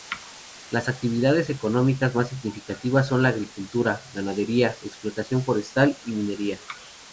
Las actividades económicas más significativas son la agricultura, ganadería, explotación forestal y minería.